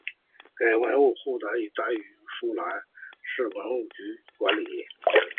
该文物保护单位由舒兰市文体局管理。